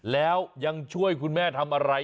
แล้วยังช่วยคุณแม่ทำอะไร